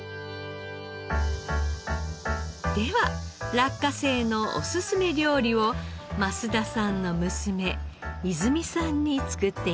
では落花生のおすすめ料理を増田さんの娘和泉さんに作って頂きます。